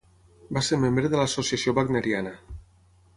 Va ser membre de l'Associació Wagneriana.